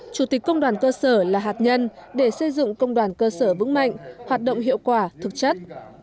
chủ tịch công đoàn cơ sở là hạt nhân để xây dựng công đoàn cơ sở vững mạnh hoạt động hiệu quả thực chất